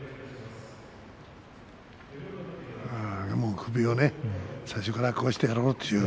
首を最初からこうしてやろうと。